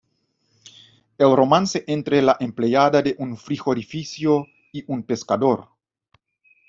El romance entre la empleada de un frigorífico y un pescador.